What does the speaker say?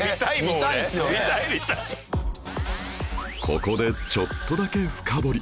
ここでちょっとだけ深掘り